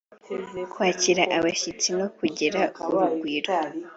kwakira abashyitsi no kugira urugwiro